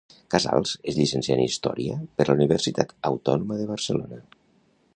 Casals es llicencià en Història per la Universitat Autònoma de Barcelona.